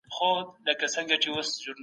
دا کتاب د هورا د انقلابيانو کيسې بيانوي.